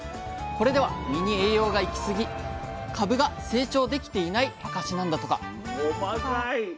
これでは実に栄養が行きすぎ株が成長できていない証しなんだとか。